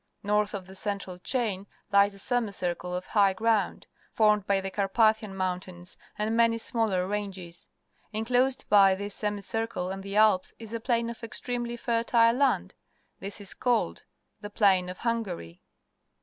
North of the cen tral chain lies a semicircle of high ground, formed by the Carpathian Mountains and many smaller ranges. Inclosed by this semi circle and the Alps is a plain of extremely fertile land. This is called the Plain of Hungary.